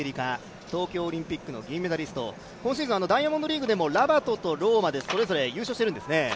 東京オリンピックの銀メダリスト、今シーズンダイヤモンドリーグでもラバトとローマでそれぞれ優勝しているんですね。